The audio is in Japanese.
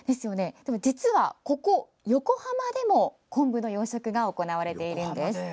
ここ横浜でも昆布の養殖が行われているんです。